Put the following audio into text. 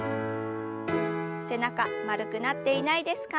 背中丸くなっていないですか？